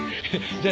じゃあ。